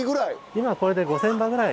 今これで５，０００羽ぐらい。